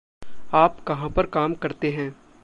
आप कहाँ पर काम करते हैं?